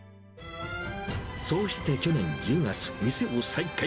そうして去年１０月、店を再開。